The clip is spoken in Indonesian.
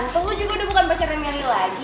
tunggu juga udah bukan pacarnya nih lagi